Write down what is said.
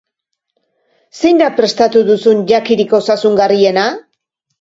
Zein da prestatu duzun jakirik osasungarriena?